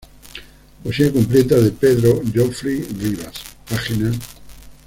Poesía Completa de Pedro Geoffroy Rivas, pág.